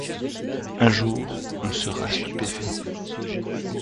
Un jour on sera stupéfait.